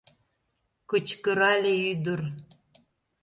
— кычкырале ӱдыр.